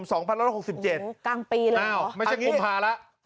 กลางปีแล้วเหรออันนี้ไม่ใช่กลุ่มภาละ